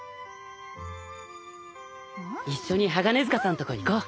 一緒に鋼鐵塚さんとこ行こう。